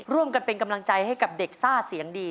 ร่วมกันเป็นกำลังใจให้กับเด็กซ่าเสียงดี